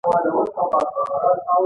هغه د ځمکې بېلابېلو چاپېریالونو ته ورسېد.